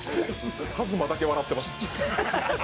ＫＡＺＭＡだけ笑ってます。